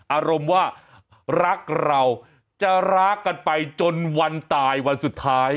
อารมณ์ว่ารักเราจะรักกันไปจนวันตายวันสุดท้าย